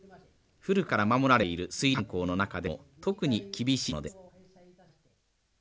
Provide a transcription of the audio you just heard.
古くから守られている水利慣行の中でも特に厳しいものです。